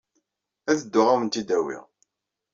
Ad dduɣ ad awen-t-id-awiɣ.